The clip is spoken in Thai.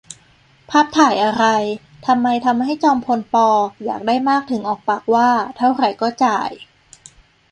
ภาพถ่ายอะไร ? ทำไมทำให้จอมพล ป. อยากได้มากถึงออกปากว่า เท่าไหร่ก็จ่าย